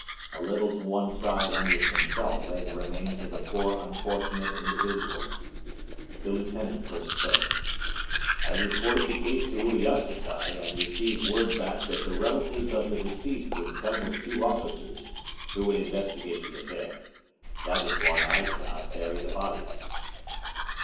A little to one side under some felt lay the remains of the four unfortunate individuals. The Lieutenant first spoke: "I reported the case to Uliassutai and received word back that the relatives of the deceased would come with two officers, who would investigate the affair. That is why I cannot bury the bodies."